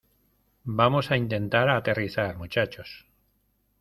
vamos a intentar aterrizar, muchachos.